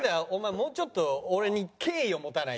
もうちょっと俺に敬意を持たないと。